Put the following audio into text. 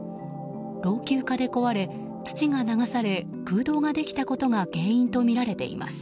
老朽化で壊れ、土が流され空洞ができたことが原因とみられています。